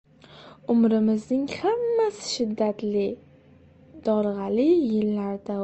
Umrimizning hammasi shiddatli, dolg‘ali yillarda o‘tdi.